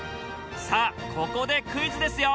さあここでクイズですよ。